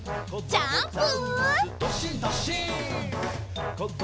ジャンプ！